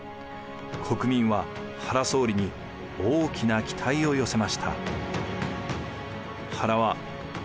国民は原総理に大きな期待を寄せました。